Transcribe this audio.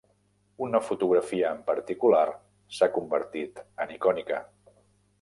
Una fotografia en particular s'ha convertit en icònica.